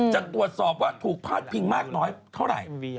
จะตรวจสอบว่าถูกพาดพิงมากน้อยเท่าไหร่